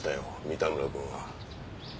三田村君は。